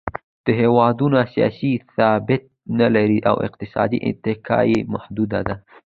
دا هېوادونه سیاسي ثبات نهلري او اقتصادي اتکا یې محدوده ده.